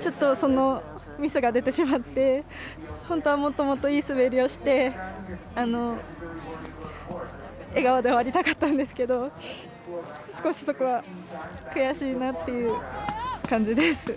ちょっとミスが出てしまって本当はもっともっといい滑りをして笑顔で終わりたかったんですけど少しそこは悔しいなっていう感じです。